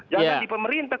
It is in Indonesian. jangan di pemerintah